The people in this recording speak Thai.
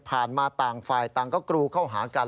มาต่างฝ่ายต่างก็กรูเข้าหากัน